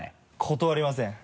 断りません。